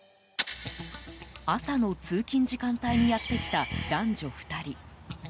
朝の通勤時間帯にやって来た男女２人。